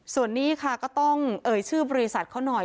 ส่วนนี้ค่ะก็ต้องเอ่ยชื่อบริษัทเขาหน่อย